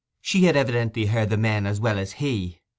She had evidently heard the men as well as he.